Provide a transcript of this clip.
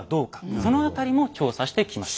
その辺りも調査してきました。